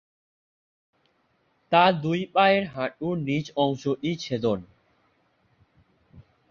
তাঁর দুই পায়ের হাঁটুর নীচ অংশটি ছেদন।